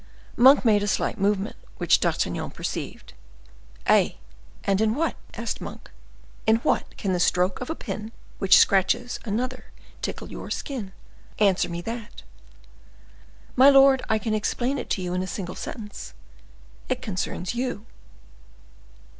Monk made a slight movement, which D'Artagnan perceived. "Eh! and in what," asked Monk, "in what can the stroke of a pin which scratches another tickle your skin? Answer me that." "My lord, I can explain it to you in a single sentence; it concerns you."